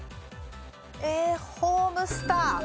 ホームスター。